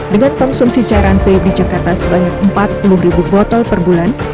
dengan konsumsi cairan vape di jakarta sebanyak empat puluh ribu botol per bulan